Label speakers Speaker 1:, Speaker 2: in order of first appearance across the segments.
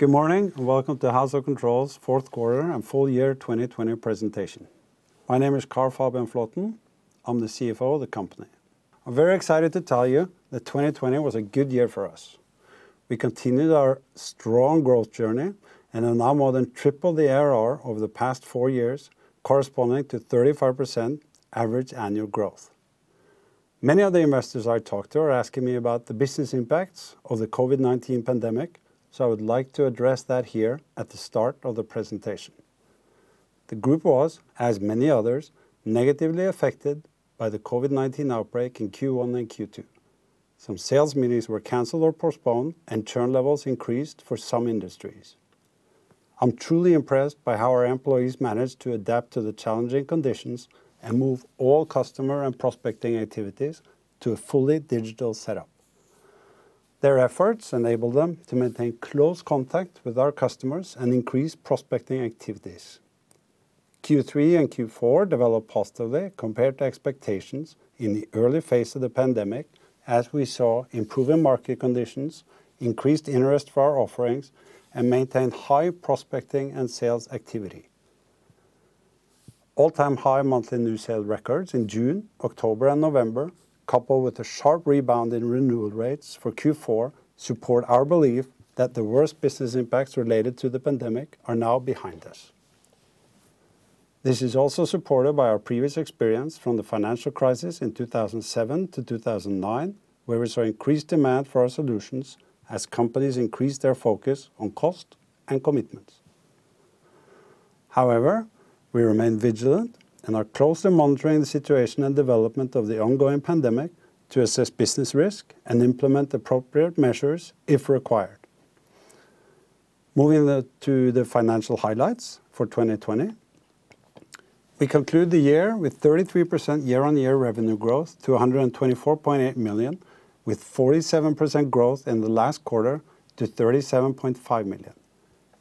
Speaker 1: Good morning, welcome to House of Control's fourth quarter and full year 2020 presentation. My name is Carl Fabian Flaaten. I'm the CFO of the company. I'm very excited to tell you that 2020 was a good year for us. We continued our strong growth journey, and have now more than tripled the ARR over the past four years, corresponding to 35% average annual growth. Many of the investors I talk to are asking me about the business impacts of the COVID-19 pandemic, so I would like to address that here at the start of the presentation. The group was, as many others, negatively affected by the COVID-19 outbreak in Q1 and Q2. Some sales meetings were canceled or postponed, and churn levels increased for some industries. I'm truly impressed by how our employees managed to adapt to the challenging conditions and move all customer and prospecting activities to a fully digital setup. Their efforts enabled them to maintain close contact with our customers and increase prospecting activities. Q3 and Q4 developed positively compared to expectations in the early phase of the pandemic, as we saw improving market conditions, increased interest for our offerings, and maintained high prospecting and sales activity. All-time high monthly new sale records in June, October, and November, coupled with a sharp rebound in renewal rates for Q4, support our belief that the worst business impacts related to the pandemic are now behind us. This is also supported by our previous experience from the financial crisis in 2007 to 2009, where we saw increased demand for our solutions as companies increased their focus on cost and commitments. However, we remain vigilant and are closely monitoring the situation and development of the ongoing pandemic to assess business risk and implement appropriate measures if required. Moving to the financial highlights for 2020. We conclude the year with 33% year-on-year revenue growth to 124.8 million, with 47% growth in the last quarter to 37.5 million.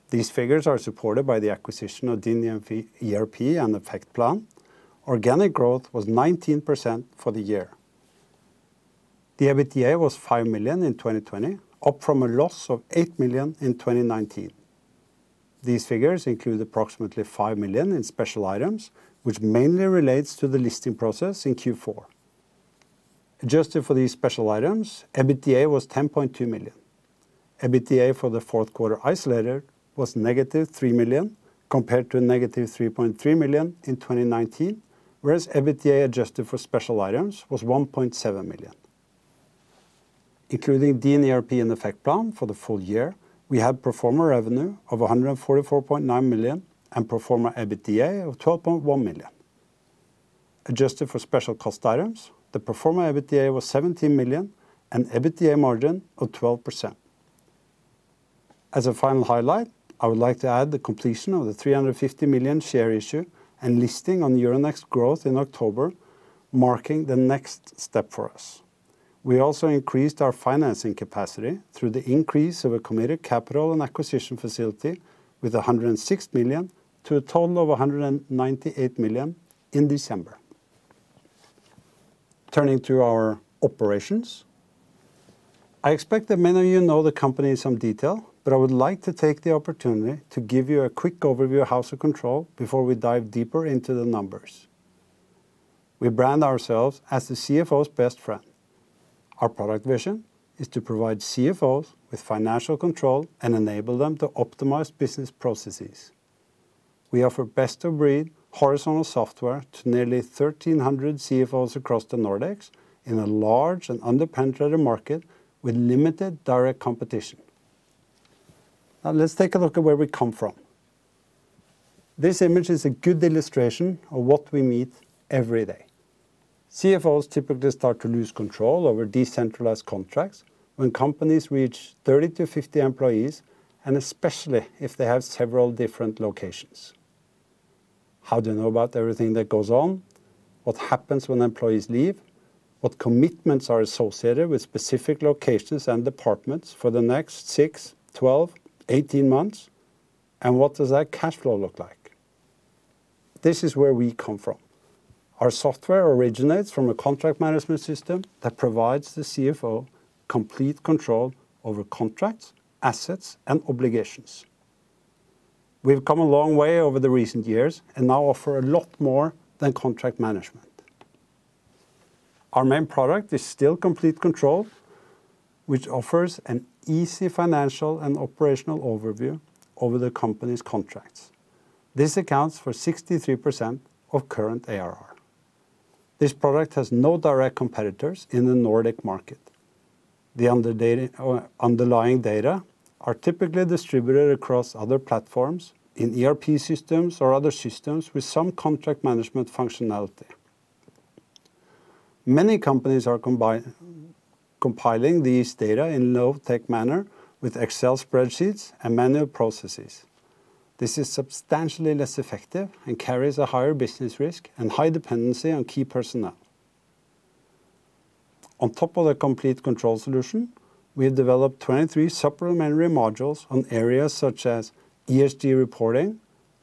Speaker 1: These figures are supported by the acquisition of Din ERP and Effectplan. Organic growth was 19% for the year. The EBITDA was 5 million in 2020, up from a loss of 8 million in 2019. These figures include approximately 5 million in special items, which mainly relates to the listing process in Q4. Adjusted for these special items, EBITDA was 10.2 million. EBITDA for the fourth quarter isolated was negative 3 million, compared to negative 3.3 million in 2019. Whereas EBITDA adjusted for special items was NOK 1.7 million. Including Din ERP and Effectplan for the full year, we had pro forma revenue of 144.9 million and pro forma EBITDA of 12.1 million. Adjusted for special cost items, the pro forma EBITDA was 17 million and EBITDA margin of 12%. As a final highlight, I would like to add the completion of the 350 million share issue and listing on Euronext Growth in October, marking the next step for us. We also increased our financing capacity through the increase of a committed capital and acquisition facility with 106 million to a total of 198 million in December. Turning to our operations. I expect that many of you know the company in some detail, but I would like to take the opportunity to give you a quick overview of House of Control before we dive deeper into the numbers. We brand ourselves as the CFO's best friend. Our product vision is to provide CFOs with financial control and enable them to optimize business processes. We offer best-of-breed horizontal software to nearly 1,300 CFOs across the Nordics in a large and under-penetrated market with limited direct competition. Let's take a look at where we come from. This image is a good illustration of what we meet every day. CFOs typically start to lose control over decentralized contracts when companies reach 30-50 employees, and especially if they have several different locations. How do you know about everything that goes on? What happens when employees leave? What commitments are associated with specific locations and departments for the next 6, 12, 18 months? What does that cash flow look like? This is where we come from. Our software originates from a contract management system that provides the CFO Complete Control over contracts, assets, and obligations. We've come a long way over the recent years and now offer a lot more than contract management. Our main product is still Complete Control, which offers an easy financial and operational overview over the company's contracts. This accounts for 63% of current ARR. This product has no direct competitors in the Nordic market. The underlying data are typically distributed across other platforms in ERP systems or other systems with some contract management functionality. Many companies are compiling these data in low-tech manner with Excel spreadsheets and manual processes. This is substantially less effective and carries a higher business risk and high dependency on key personnel. On top of the Complete Control solution, we have developed 23 supplementary modules on areas such as ESG reporting,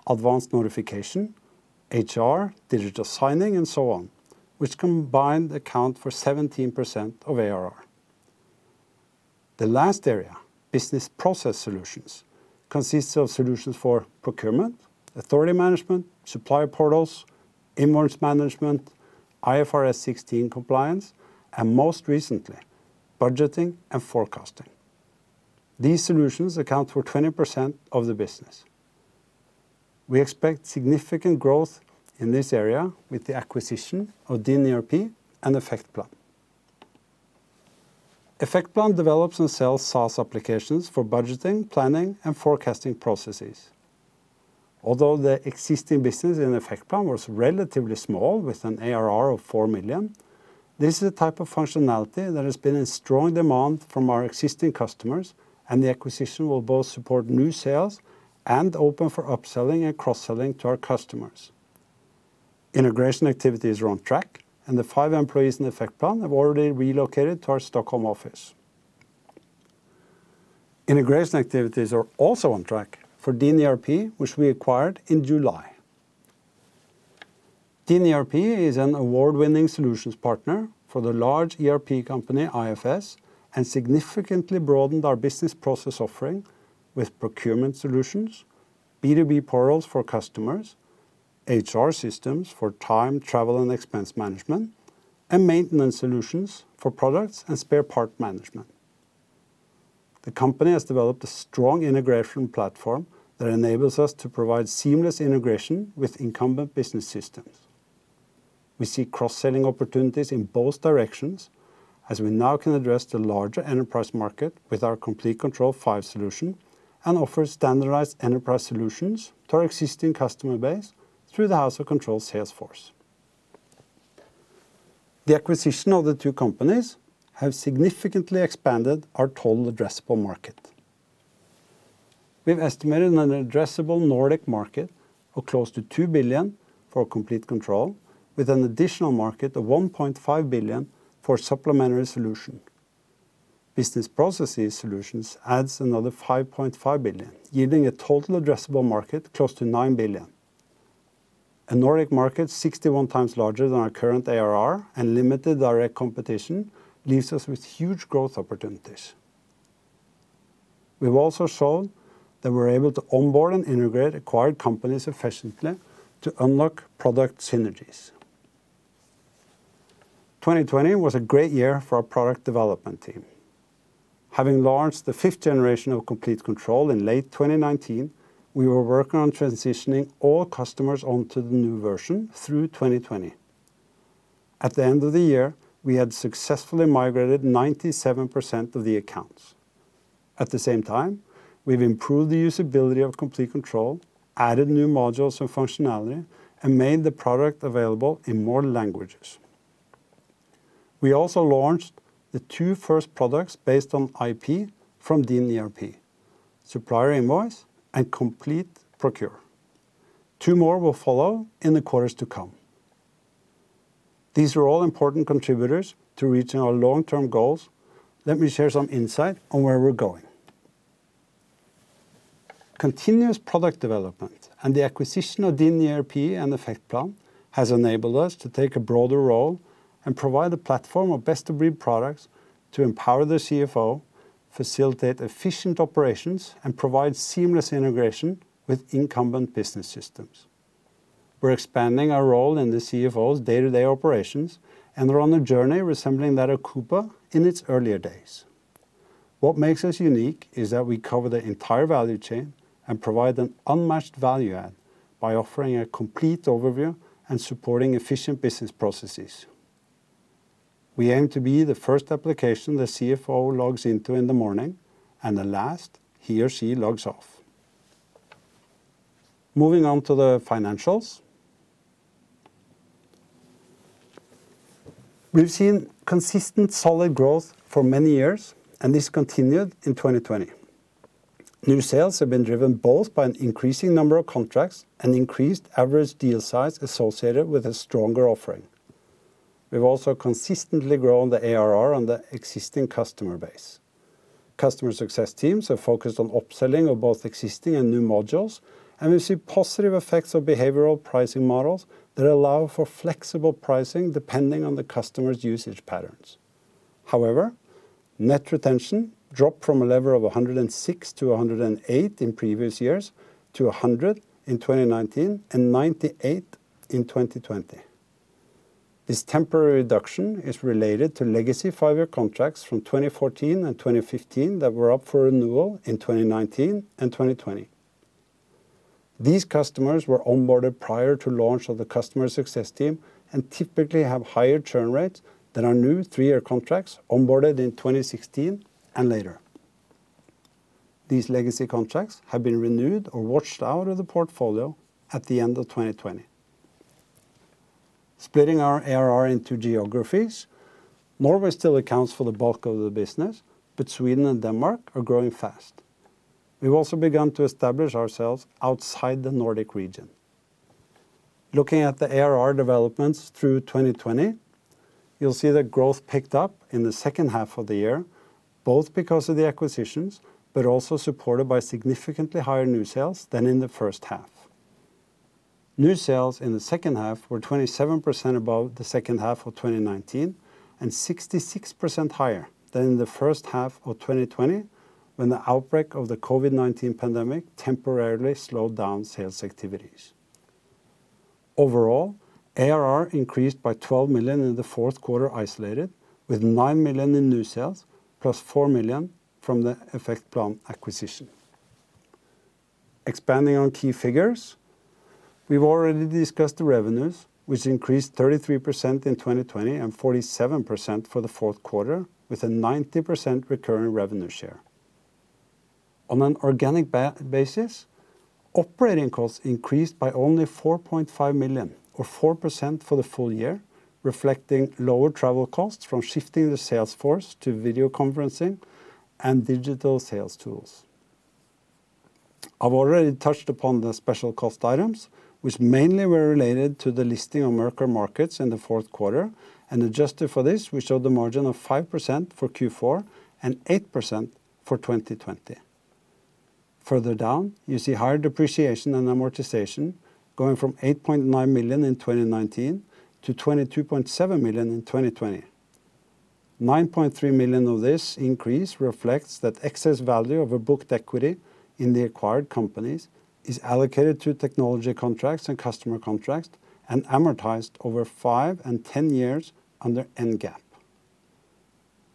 Speaker 1: advanced notification, HR, digital signing, and so on, which combined account for 17% of ARR. The last area, business process solutions, consists of solutions for procurement, authority management, supply portals, invoice management, IFRS 16 compliance, and most recently, budgeting and forecasting. These solutions account for 20% of the business. We expect significant growth in this area with the acquisition of Din ERP and Effectplan. Effectplan develops and sells SaaS applications for budgeting, planning, and forecasting processes. Although the existing business in Effectplan was relatively small, with an ARR of 4 million, this is a type of functionality that has been in strong demand from our existing customers, and the acquisition will both support new sales and open for upselling and cross-selling to our customers. Integration activities are on track, and the five employees in Effectplan have already relocated to our Stockholm office. Integration activities are also on track for Din ERP, which we acquired in July 2020. Din ERP is an award-winning solutions partner for the large ERP company, IFS, and significantly broadened our business process offering with procurement solutions, B2B portals for customers, HR systems for time, travel, and expense management, and maintenance solutions for products and spare part management. The company has developed a strong integration platform that enables us to provide seamless integration with incumbent business systems. We see cross-selling opportunities in both directions as we now can address the larger enterprise market with our Complete Control 5 solution and offer standardized enterprise solutions to our existing customer base through the House of Control sales force. The acquisition of the two companies have significantly expanded our total addressable market. We've estimated an addressable Nordic market of close to 2 billion for Complete Control, with an additional market of 1.5 billion for supplementary solution. Business processes solutions adds another 5.5 billion, yielding a total addressable market close to 9 billion. A Nordic market 61 times larger than our current ARR and limited direct competition leaves us with huge growth opportunities. We've also shown that we're able to onboard and integrate acquired companies efficiently to unlock product synergies. 2020 was a great year for our product development team. Having launched the fifth generation of Complete Control in late 2019, we were working on transitioning all customers onto the new version through 2020. At the end of the year, we had successfully migrated 97% of the accounts. At the same time, we've improved the usability of Complete Control, added new modules and functionality, and made the product available in more languages. We also launched the two first products based on IP from Din ERP, Supplier Invoice and Complete Procure. Two more will follow in the quarters to come. These are all important contributors to reaching our long-term goals. Let me share some insight on where we're going. Continuous product development and the acquisition of Din ERP and Effectplan has enabled us to take a broader role and provide a platform of best-of-breed products to empower the CFO, facilitate efficient operations, and provide seamless integration with incumbent business systems. We're expanding our role in the CFO's day-to-day operations, and we're on a journey resembling that of Coupa in its earlier days. What makes us unique is that we cover the entire value chain and provide an unmatched value add by offering a complete overview and supporting efficient business processes. We aim to be the first application the CFO logs into in the morning and the last he or she logs off. Moving on to the financials. We've seen consistent solid growth for many years, and this continued in 2020. New sales have been driven both by an increasing number of contracts and increased average deal size associated with a stronger offering. We've also consistently grown the ARR on the existing customer base. Customer success teams are focused on upselling of both existing and new modules, and we see positive effects of behavioral pricing models that allow for flexible pricing depending on the customer's usage patterns. However, net retention dropped from a level of 106%-108% in previous years to 100% in 2019 and 98% in 2020. This temporary reduction is related to legacy five-year contracts from 2014 and 2015 that were up for renewal in 2019 and 2020. These customers were onboarded prior to launch of the customer success team and typically have higher churn rates than our new three-year contracts onboarded in 2016 and later. These legacy contracts have been renewed or washed out of the portfolio at the end of 2020. Splitting our ARR into geographies, Norway still accounts for the bulk of the business, but Sweden and Denmark are growing fast. We've also begun to establish ourselves outside the Nordic region. Looking at the ARR developments through 2020. You'll see that growth picked up in the second half of the year, both because of the acquisitions, but also supported by significantly higher new sales than in the first half. New sales in the second half were 27% above the second half of 2019, and 66% higher than in the first half of 2020, when the outbreak of the COVID-19 pandemic temporarily slowed down sales activities. Overall, ARR increased by 12 million in the fourth quarter isolated, with 9 million in new sales plus 4 million from the Effectplan acquisition. Expanding on key figures, we've already discussed the revenues, which increased 33% in 2020 and 47% for the fourth quarter, with a 90% recurring revenue share. On an organic basis, operating costs increased by only 4.5 million, or 4% for the full year, reflecting lower travel costs from shifting the sales force to video conferencing and digital sales tools. I've already touched upon the special cost items, which mainly were related to the listing on Merkur Market in the fourth quarter, and adjusted for this, we showed the margin of 5% for Q4 and 8% for 2020. Further down, you see higher depreciation and amortization going from 8.9 million in 2019 to 22.7 million in 2020. 9.3 million of this increase reflects that excess value of a booked equity in the acquired companies is allocated to technology contracts and customer contracts and amortized over 5 and 10 years under NGAAP.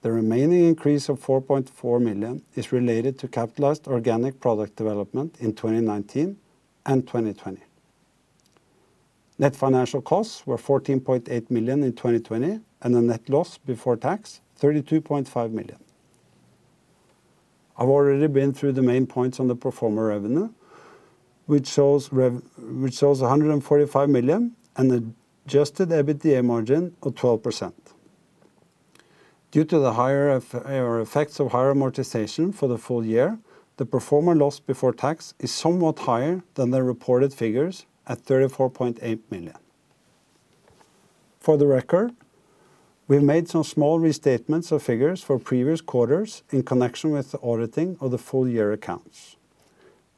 Speaker 1: The remaining increase of 4.4 million is related to capitalized organic product development in 2019 and 2020. Net financial costs were 14.8 million in 2020. The net loss before tax, 32.5 million. I've already been through the main points on the pro forma revenue, which shows 145 million and adjusted EBITDA margin of 12%. Due to the effects of higher amortization for the full year, the pro forma loss before tax is somewhat higher than the reported figures at 34.8 million. For the record, we've made some small restatements of figures for previous quarters in connection with the auditing of the full year accounts.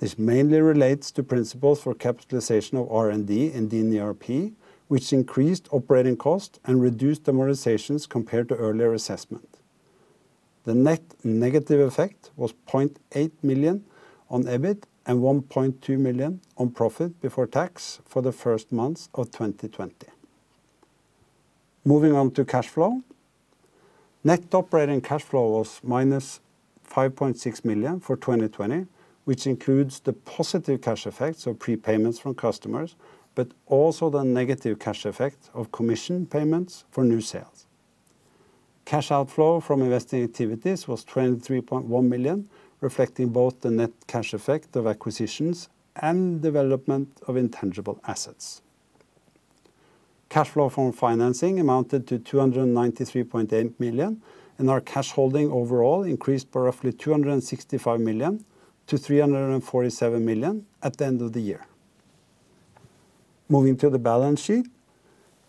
Speaker 1: This mainly relates to principles for capitalization of R&D and Din ERP, which increased operating costs and reduced amortizations compared to earlier assessment. The net negative effect was 0.8 million on EBIT and 1.2 million on profit before tax for the first months of 2020. Moving on to cash flow. Net operating cash flow was -5.6 million for 2020, which includes the positive cash effects of prepayments from customers, but also the negative cash effect of commission payments for new sales. Cash outflow from investing activities was 23.1 million, reflecting both the net cash effect of acquisitions and development of intangible assets. Cash flow from financing amounted to 293.8 million, and our cash holding overall increased by roughly 265 million to 347 million at the end of the year. Moving to the balance sheet,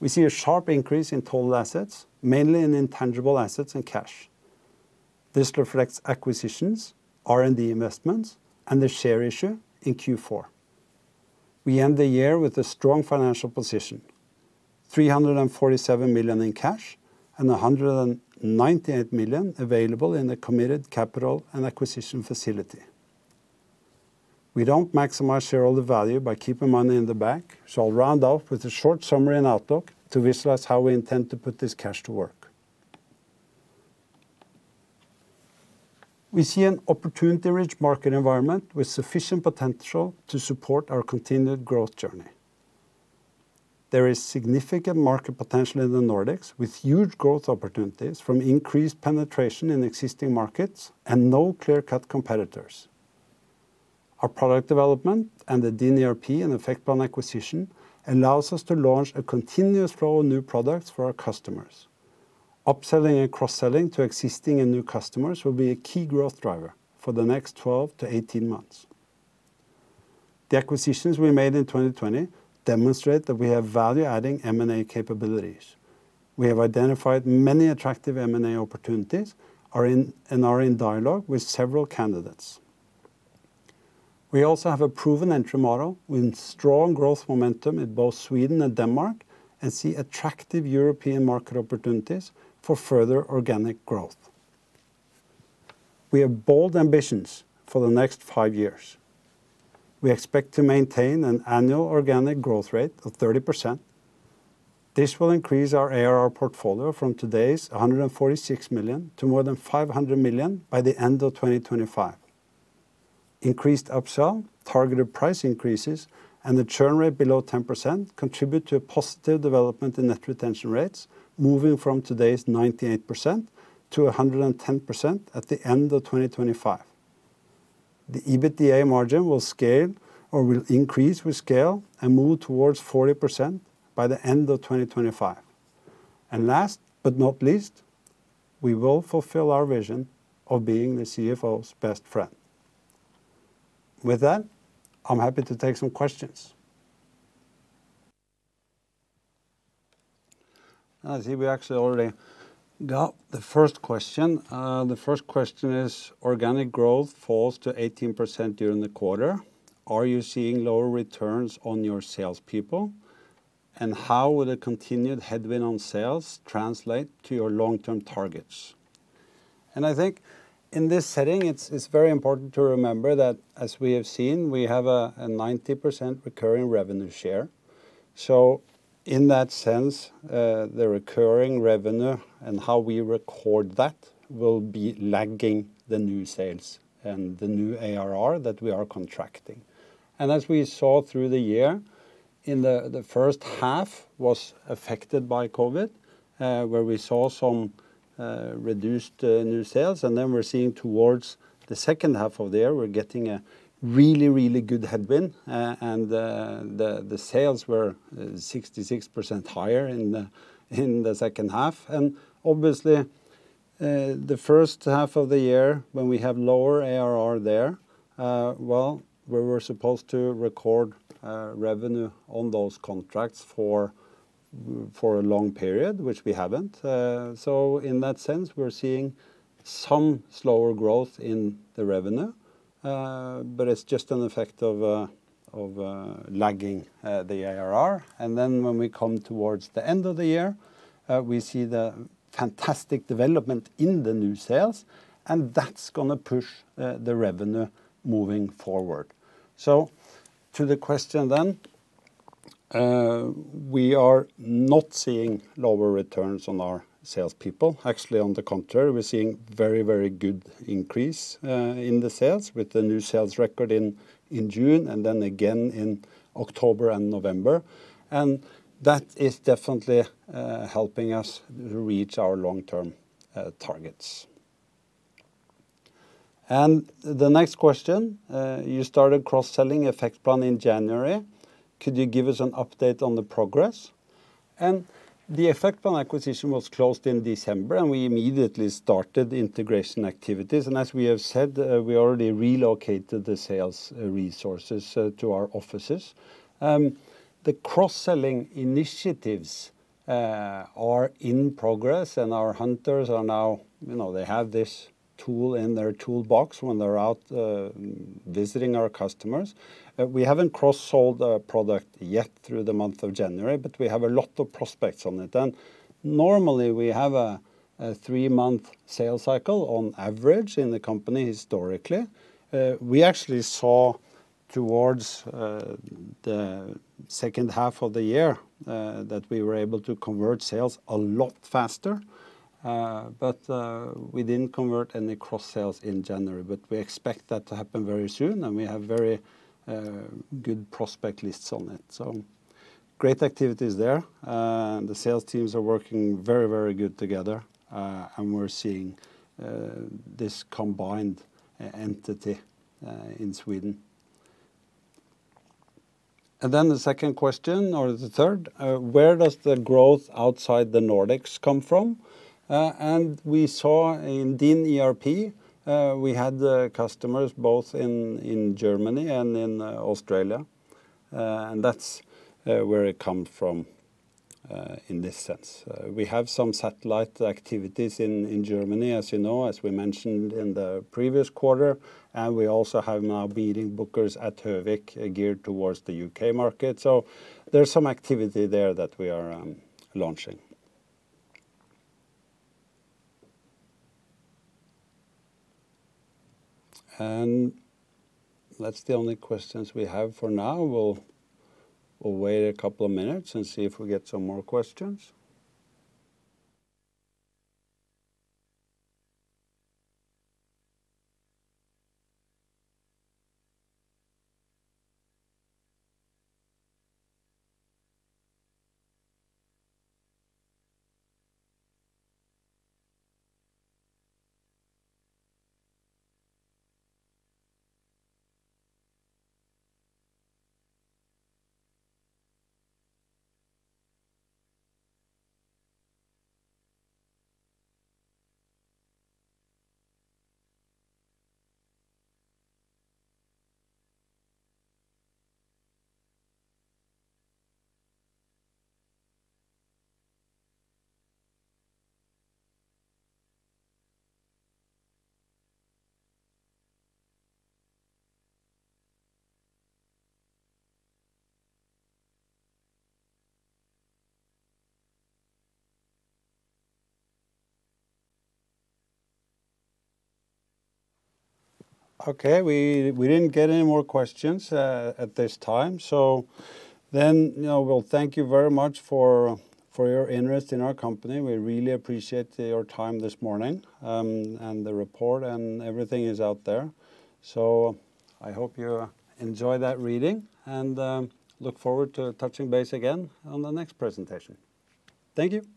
Speaker 1: we see a sharp increase in total assets, mainly in intangible assets and cash. This reflects acquisitions, R&D investments, and the share issue in Q4. We end the year with a strong financial position, 347 million in cash and 198 million available in the committed capital and acquisition facility. We don't maximize shareholder value by keeping money in the bank. I'll round out with a short summary and outlook to visualize how we intend to put this cash to work. We see an opportunity-rich market environment with sufficient potential to support our continued growth journey. There is significant market potential in the Nordics, with huge growth opportunities from increased penetration in existing markets and no clear-cut competitors. Our product development and the Din ERP and Effectplan acquisition allows us to launch a continuous flow of new products for our customers. Upselling and cross-selling to existing and new customers will be a key growth driver for the next 12-18 months. The acquisitions we made in 2020 demonstrate that we have value-adding M&A capabilities. We have identified many attractive M&A opportunities and are in dialogue with several candidates. We also have a proven entry model with strong growth momentum in both Sweden and Denmark and see attractive European market opportunities for further organic growth. We have bold ambitions for the next five years. We expect to maintain an annual organic growth rate of 30%. This will increase our ARR portfolio from today's 146 million to more than 500 million by the end of 2025. Increased upsell, targeted price increases, and the churn rate below 10% contribute to a positive development in net retention rates, moving from today's 98%-110% at the end of 2025. The EBITDA margin will increase with scale and move towards 40% by the end of 2025. Last but not least, we will fulfill our vision of being the CFO's best friend. With that, I'm happy to take some questions. I see we actually already got the first question. The first question is, organic growth falls to 18% during the quarter. Are you seeing lower returns on your salespeople? How will the continued headwind on sales translate to your long-term targets? I think in this setting, it's very important to remember that as we have seen, we have a 90% recurring revenue share. In that sense, the recurring revenue and how we record that will be lagging the new sales and the new ARR that we are contracting. As we saw through the year, the first half was affected by COVID, where we saw some reduced new sales, then we're seeing towards the second half of the year, we're getting a really, really good headwind. The sales were 66% higher in the second half. Obviously, the first half of the year when we have lower ARR there, well, we were supposed to record revenue on those contracts for a long period, which we haven't. In that sense, we're seeing some slower growth in the revenue, but it's just an effect of lagging the ARR. Then when we come towards the end of the year, we see the fantastic development in the new sales, that's going to push the revenue moving forward. To the question then, we are not seeing lower returns on our salespeople. Actually, on the contrary, we're seeing very, very good increase in the sales with the new sales record in June and then again in October and November. That is definitely helping us reach our long-term targets. The next question, you started cross-selling Effectplan in January. Could you give us an update on the progress? The Effectplan acquisition was closed in December, and we immediately started integration activities. As we have said, we already relocated the sales resources to our offices. The cross-selling initiatives are in progress and our hunters have this tool in their toolbox when they're out visiting our customers. We haven't cross-sold a product yet through the month of January, but we have a lot of prospects on it. Normally we have a three-month sales cycle on average in the company historically. We actually saw towards the second half of the year, that we were able to convert sales a lot faster. We didn't convert any cross sales in January, but we expect that to happen very soon, and we have very good prospect lists on it. Great activities there. The sales teams are working very, very good together. We're seeing this combined entity in Sweden. The second question or the third, where does the growth outside the Nordics come from? We saw in Din ERP, we had the customers both in Germany and in Australia. That's where it come from, in this sense. We have some satellite activities in Germany, as you know, as we mentioned in the previous quarter. We also have now meeting bookers at Høvik geared towards the U.K. market. So there's some activity there that we are launching. That's the only questions we have for now. We'll wait a couple of minutes and see if we get some more questions. Okay. We didn't get any more questions at this time. We'll thank you very much for your interest in our company. We really appreciate your time this morning. The report and everything is out there. I hope you enjoy that reading, and look forward to touching base again on the next presentation. Thank you.